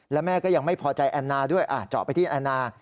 แล้วแม่ก็ยังไม่พอใจแอนนาด้วยเจาะไปที่แอนนา